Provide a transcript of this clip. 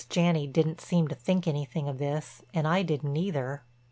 Janney didn't seem to think anything of this and I didn't either.